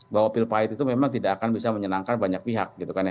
bahwa pil pahit itu memang tidak akan bisa menyenangkan banyak pihak gitu kan ya